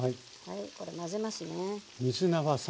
これ混ぜますね。